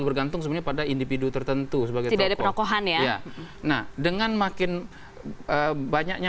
bergantung sebagai pada individu tertentu sebagai tidak ada penokohan ya nah dengan makin banyaknya